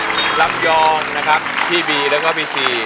ลำยองนะครับพี่บีแล้วก็พี่ชี